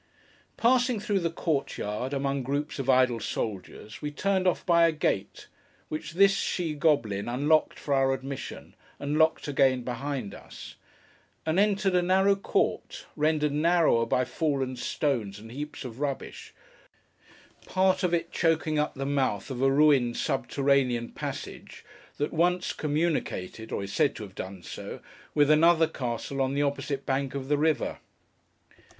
Passing through the court yard, among groups of idle soldiers, we turned off by a gate, which this She Goblin unlocked for our admission, and locked again behind us: and entered a narrow court, rendered narrower by fallen stones and heaps of rubbish; part of it choking up the mouth of a ruined subterranean passage, that once communicated (or is said to have done so) with another castle on the opposite bank of the river.